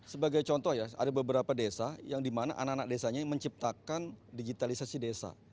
sebagai contoh ya ada beberapa desa yang dimana anak anak desanya menciptakan digitalisasi desa